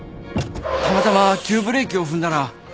たまたま急ブレーキを踏んだら。